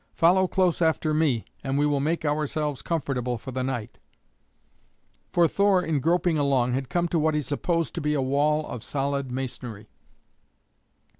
Follow close after me and we will make ourselves comfortable for the night." For Thor in groping along had come to what he supposed to be a wall of solid masonry.